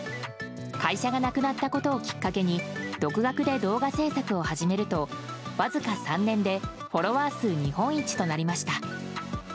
会社がなくなったことをきっかけに独学で動画制作を始めるとわずか３年でフォロワー数日本一となりました。